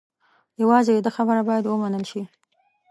یوازې د ده خبره باید و منل شي.